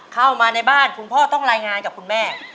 เข้ามาในบ้านคุณพ่อต้องรายงานกับคุณแม่